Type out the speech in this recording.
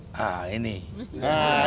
nah ini nih pak